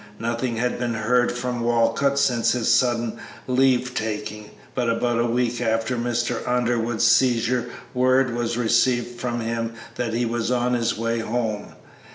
Nothing had been heard from Walcott since his sudden leave taking, but about a week after Mr. Underwood's seizure word was received from him that he was on his way home.